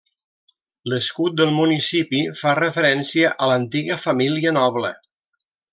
L'escut del municipi fa referència a l'antiga família noble.